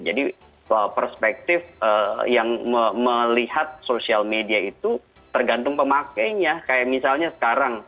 jadi perspektif yang melihat social media itu tergantung pemakainya kayak misalnya sekarang